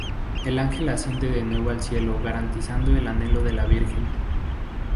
El ángel asciende de nuevo al cielo garantizando el anhelo de la Virgen.